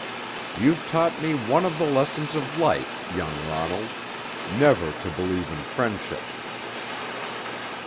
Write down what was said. You've taught me one of the lessons of life, young Ronald never to believe in friendship."